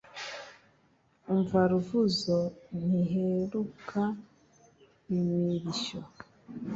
umva ruvuzo ntiheruka imirishyo